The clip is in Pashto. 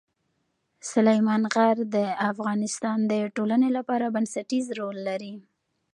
سلیمان غر د افغانستان د ټولنې لپاره بنسټيز رول لري.